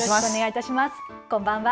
こんばんは。